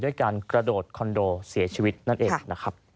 การกระโดดคอนโดเสียชีวิตนั่นเองนะครับ